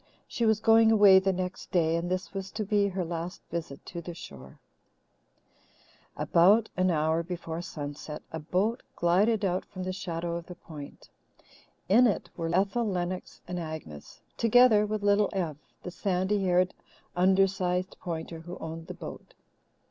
She was going away the next day, and this was to be her last visit to the shore. About an hour before sunset a boat glided out from the shadow of the Point. In it were Ethel Lennox and Agnes, together with Little Ev, the sandy haired, undersized Pointer who owned the boat.